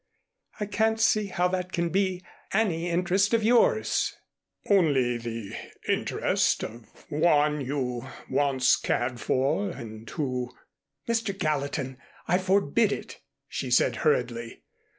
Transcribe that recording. "I can't see how that can be any interest of yours." "Only the interest of one you once cared for and who " "Mr. Gallatin, I forbid it," she said hurriedly.